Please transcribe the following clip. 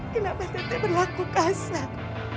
kenapa teteh berlaku kasar